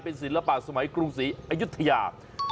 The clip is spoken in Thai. เป็นศิลปะสมัยกรุงศรีอยุธยา